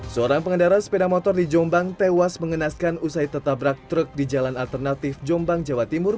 seorang pengendara sepeda motor di jombang tewas mengenaskan usai tertabrak truk di jalan alternatif jombang jawa timur